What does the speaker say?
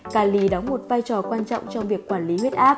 cali đóng một vai trò quan trọng trong việc quản lý huyết áp